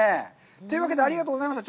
というわけで、ありがとうございました。